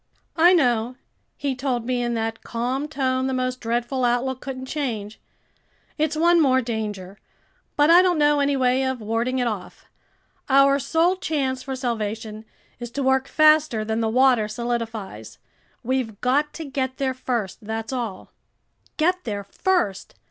"I know," he told me in that calm tone the most dreadful outlook couldn't change. "It's one more danger, but I don't know any way of warding it off. Our sole chance for salvation is to work faster than the water solidifies. We've got to get there first, that's all." Get there first!